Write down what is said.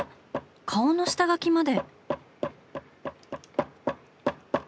顔の下描きまで。